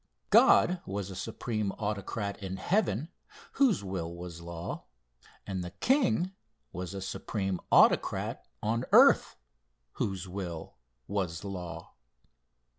God was a supreme autocrat in heaven, whose will was law, and the king was a supreme autocrat on earth whose will was law.